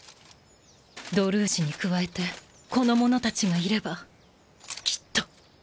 ドルーシに加えてこの者たちがいればきっと